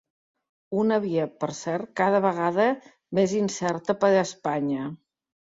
Una via, per cert, cada vegada més incerta per a Espanya.